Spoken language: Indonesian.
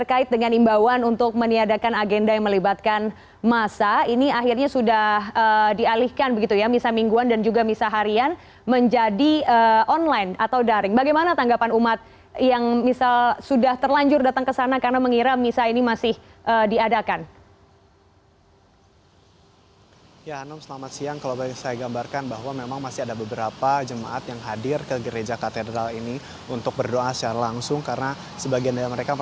ketika dikumpulkan kemudian dikumpulkan ke tempat lain